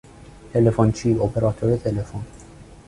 تلفنچی، اپراتور تلفن